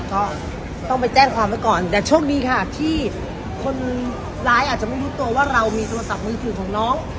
ก็ต้องไปแจ้งความไว้ก่อนแต่โชคดีค่ะที่คนร้ายอาจจะไม่รู้ตัวว่าเรามีโทรศัพท์มือถือของน้อง